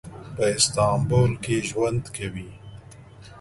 په استانبول کې ژوند کوي.